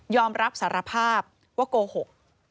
อมรับสารภาพว่าโกหก